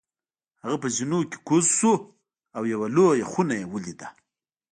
هغه په زینو کوز شو او یوه لویه خونه یې ولیده.